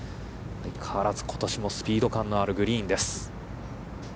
変わらずことしもスピード感のあるグリーンです。